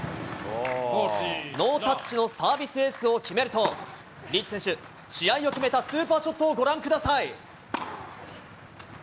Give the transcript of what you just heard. ノータッチのサービスエースを決めると、リーチ選手、試合を決めたスーパーショットをご覧ください。